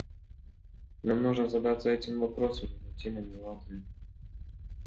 Нам нужно задаться этим вопросом и найти на него ответ.